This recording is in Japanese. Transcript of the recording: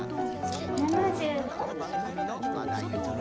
７５。